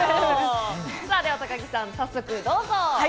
高木さん、早速どうぞ。